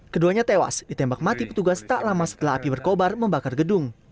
keduanya tewas ditembak mati petugas tak lama setelah api berkobar membakar gedung